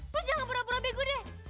lo jangan pura pura begu deh